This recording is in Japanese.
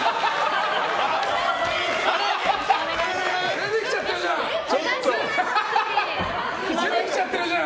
出てきちゃったじゃん！